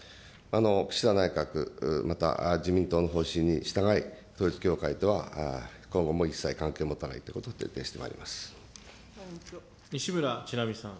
岸田内閣、また自民党の方針に従い、統一教会とは今後も一切関係を持たないということを徹底してまい西村智奈美さん。